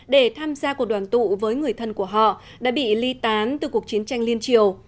để tham gia cuộc đoàn tụ với người thân của họ đã bị ly tán từ cuộc chiến tranh liên triều